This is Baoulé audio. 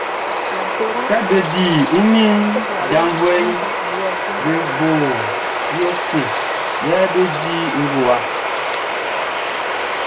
Kɛ bé dí wunmiɛnʼn, janvuɛʼm be bo yo kun be di ngowa.